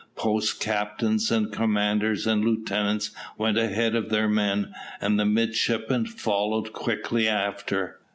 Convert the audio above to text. Post captains and commanders and lieutenants went ahead of their men, and the midshipmen followed quickly after.